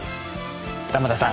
玉田さん